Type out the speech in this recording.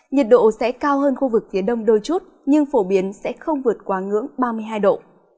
nhiệt độ sẽ cao hơn khu vực phía đông đôi chút nhưng phổ biến sẽ không vượt quá ngưỡng ba mươi hai độ